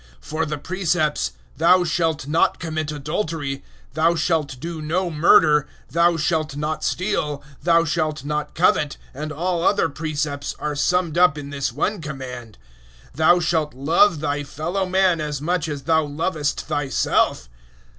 013:009 For the precepts, "Thou shalt not commit adultery," "Thou shalt do no murder," "Thou shalt not steal," "Thou shalt not covet," and all other precepts, are summed up in this one command, "Thou shalt love thy fellow man as much as thou lovest thyself."